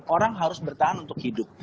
orang harus bertahan untuk hidup